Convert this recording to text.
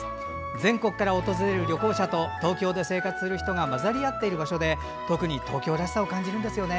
全国から訪れる旅行者と東京で生活する人が混ざり合っている場所で特に東京らしさを感じるんですよね。